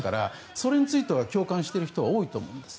それについては共感している人は多いと思うんです。